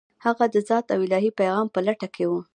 هغه د ذات او الهي پیغام په لټه کې و.